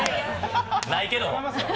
ないけども。